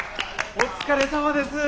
お疲れさまです。